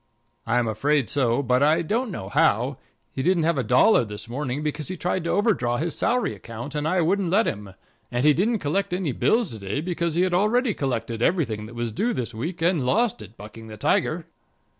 "I'm afraid so, but I don't know how. He didn't have a dollar this morning, because he tried to overdraw his salary account and I wouldn't let him, and he didn't collect any bills to day because he had already collected everything that was due this week and lost it bucking the tiger."